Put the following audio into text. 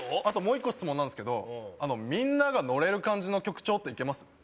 あともう一個質問なんですけどみんながのれる感じの曲調っていけます？